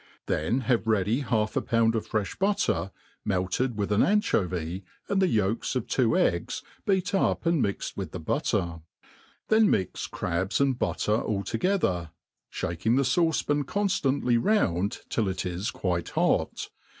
Then have ready half a pound of frefli butter, melted with an anchovy, and the yolks of two eggs beat up 'and mixed With the butter; then mix crabs and butter all together, ihaking the fauce pan conftantly round till it is <)uite*hot.